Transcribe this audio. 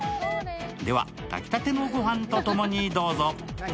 では、炊きたてのご飯とともにどうぞ。